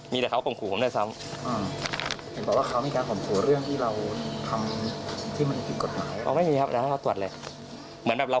มีแต่เขากล่องขู่ผมได้ซ้ำ